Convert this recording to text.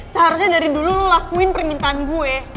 seharusnya dari dulu lu lakuin permintaan gue